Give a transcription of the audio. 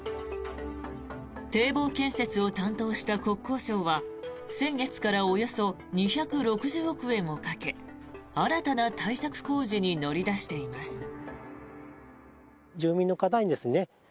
堤防建設を担当した国交省は先月からおよそ２６０億円をかけ新たな対策工事に乗り出しています。